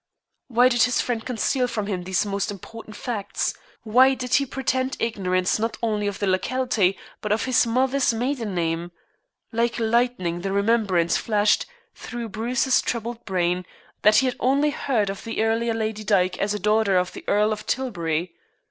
Why did his friend conceal from him these most important facts? Why did he pretend ignorance not only of the locality but of his mother's maiden name? Like lightning the remembrance flashed through Bruce's troubled brain that he had only heard of the earlier Lady Dyke as a daughter of the Earl of Tilbury.